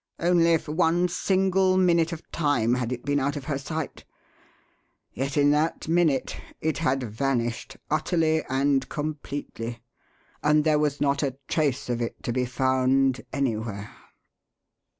Only for one single minute of time had it been out of her sight, yet in that minute it had vanished, utterly and completely, and there was not a trace of it to be found anywhere."